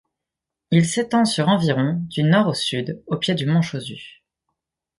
Il s'étend sur environ du nord au sud, au pied du mont Chausu.